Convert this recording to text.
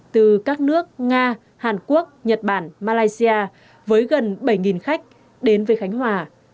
từ các nước nga hàn quốc nhật bản malaysia với gần bảy khách đến với khánh hòa